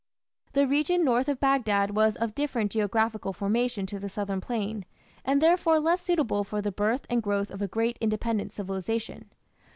The region north of Baghdad was of different geographical formation to the southern plain, and therefore less suitable for the birth and growth of a great independent civilization.